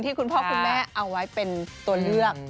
คุณพ่อคุณแม่เอาไว้เป็นตัวเลือก